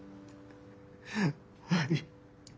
はい。